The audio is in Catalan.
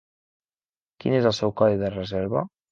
Quin es el seu codi de reserva?